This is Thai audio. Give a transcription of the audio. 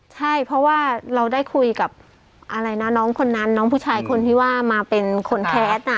ใช่เพราะว่าเราได้คุยกับอะไรนะน้องคนนั้นน้องผู้ชายคนที่ว่ามาเป็นคนแคสน่ะ